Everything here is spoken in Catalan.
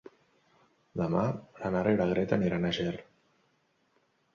Demà na Nara i na Greta aniran a Ger.